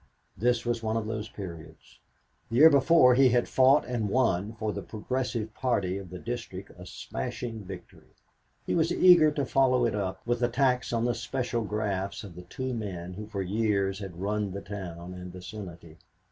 This was one of these periods. The year before he had fought and won for the Progressive Party of the District a smashing victory. He was eager to follow it up with attacks on the special grafts of the two men who for years had run the town and vicinity.